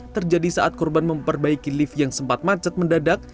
terjadi saat korban memperbaiki lift yang sempat macet mendadak